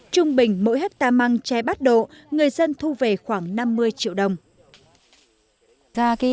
trung bình mỗi hectare măng tre bắt độ người dân thu về khoảng năm mươi triệu đồng